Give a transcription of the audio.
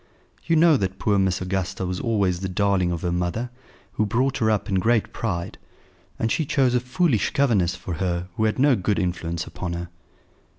You know that poor Miss Augusta was always the darling of her mother, who brought her up in great pride; and she chose a foolish governess for her who had no good influence upon her."